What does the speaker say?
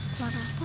suara apa itu